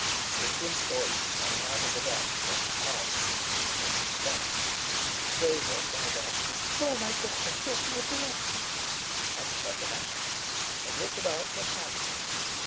Strickland's voice, coming out of the darkness, harshly, made me start. Stroeve cried out. "Oh, my God, I thought you were dead." I struck a match, and looked about for a candle.